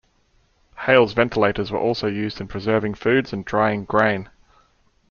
Hales' ventilators were also used in preserving foods and drying grain.